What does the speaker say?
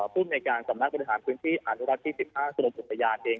ผู้ในการสำนักบริหารพื้นที่อาณุรัติที่๑๕สุรปรุษยานเอง